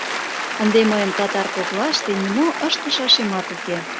Ынде мыйын татар коклаште нимо ыштышашемат уке.